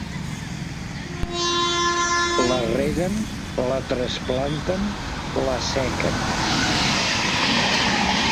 La reguen, la trasplanten, l'assequen.